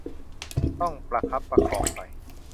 ต้องประคับประคองไป